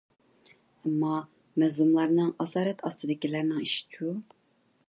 ئەمما، مەزلۇملارنىڭ، ئاسارەت ئاستىدىكىلەرنىڭ ئىشىچۇ؟